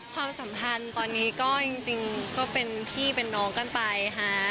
ความสัมพันธ์ตอนนี้ก็จริงก็เป็นพี่เป็นน้องกันไปฮะ